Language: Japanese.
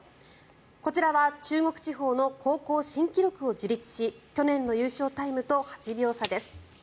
こちらは中国地方の高校新記録を樹立し去年の優勝タイムと８秒差です。